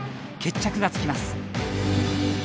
決着がつきます。